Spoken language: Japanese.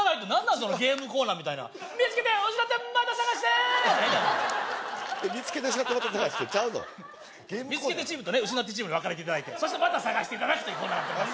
そのゲームコーナーみたいな「見つけて失ってまた探して」やないねん「見つけて失ってまた探して」ちゃうぞ見つけてチームとね失ってチームに分かれていただいてそしてまた探していただくというコーナーになってます